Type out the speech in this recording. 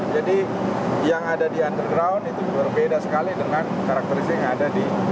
jadi yang ada di underground itu berbeda sekali dengan karakteristik yang ada di layak